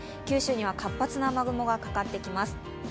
九州には活発な雨雲がかかってきます。